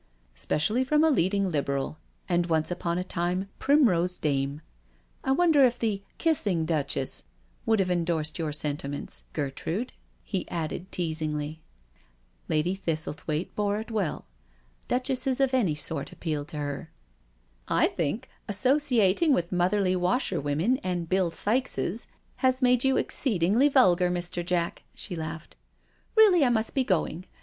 '^ Specially from a leading Liberal and once upon a time ' Primrose Dame.' I wonder if the ' Kissing Duchess ' would have endorsed your sentiments, Ger trude," he added teasingly. Lady Thistlethwaite bore it well. Duchesses of any sort appealed to her. " I think associating with motherly washerwomen and Bill Sikeses has made you exceedingly vulgar, Mr. Jack," she laughed. " Really, I must be going.